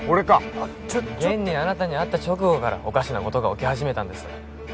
あちょ現にあなたに会った直後からおかしなことが起き始めたんです